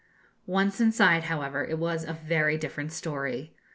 Once inside, however, it was a very different story.